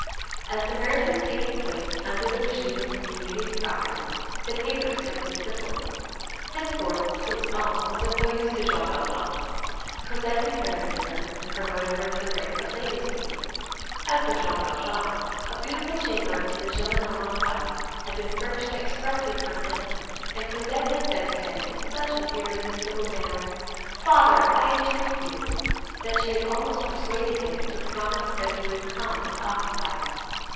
As the marriage was taking place under the régime of community of property, the papers had been simple. Henceforth, Toussaint was of no use to Jean Valjean; Cosette inherited her and promoted her to the rank of lady's maid. As for Jean Valjean, a beautiful chamber in the Gillenormand house had been furnished expressly for him, and Cosette had said to him in such an irresistible manner: "Father, I entreat you," that she had almost persuaded him to promise that he would come and occupy it.